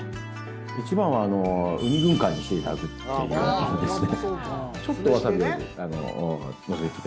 一番はウニ軍艦にしていただくということですね。